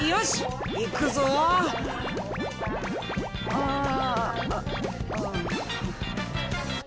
ああ。